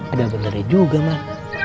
ada beneran juga man